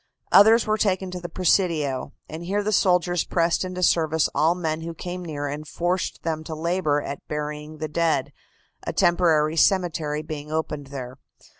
Others were taken to the Presidio, and here the soldiers pressed into service all men who came near and forced them to labor at burying the dead, a temporary cemetery being opened there.